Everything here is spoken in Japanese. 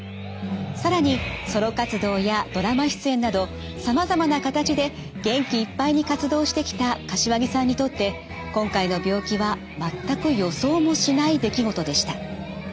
更にソロ活動やドラマ出演などさまざまな形で元気いっぱいに活動してきた柏木さんにとって今回の病気は全く予想もしない出来事でした。